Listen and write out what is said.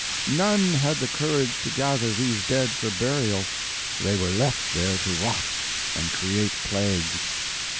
None had the courage to gather these dead for burial; they were left there to rot and create plagues.